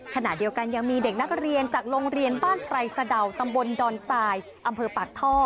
ขณะเดียวกันยังมีเด็กนักเรียนจากโรงเรียนบ้านไพรสะดาวตำบลดอนทรายอำเภอปากท่อ